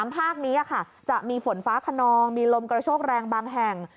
ภาคนี้จะมีฝนฟ้าขนองมีลมกระโชกแรงบางแห่ง